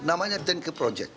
namanya turnkey project